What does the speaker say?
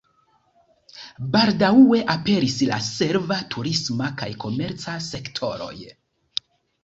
Baldaŭe aperis la serva, turisma kaj komerca sektoroj.